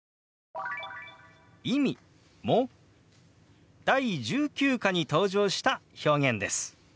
「意味」も第１９課に登場した表現です。